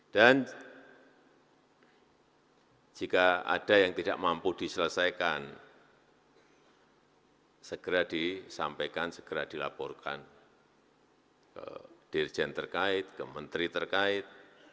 jika ada yang tidak mampu diselesaikan segera disampaikan segera dilaporkan ke dirjen terkait ke menteri terkait